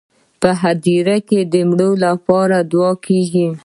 په هدیره کې د مړو لپاره دعا کیږي.